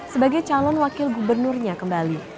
sebagai calon wakil gubernurnya kembali